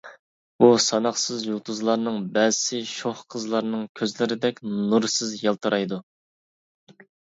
بۇ ساناقسىز يۇلتۇزلارنىڭ بەزىسى شوخ قىزلارنىڭ كۆزلىرىدەك نۇرسىز يالتىرايدۇ.